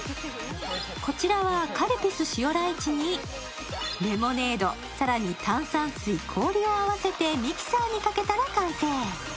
こちらはカルピス塩ライチにレモネード、更に炭酸水氷を合わせてミキサーにかけたら完成。